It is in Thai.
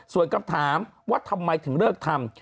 ส่วนคำถามว่าทำไมถึงเลิกทำ